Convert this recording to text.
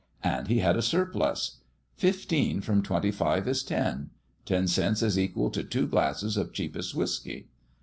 And he had a surplus. Fifteen from twenty five is ten. Ten cents is equal to two glasses of cheapest whiskey.